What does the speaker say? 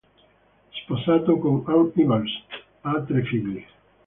Sposato con An Evers, ha tre figli.